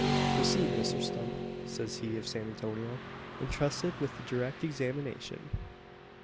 "Proceed, Mr Stump!" says he of San Antonio, entrusted with the direct examination.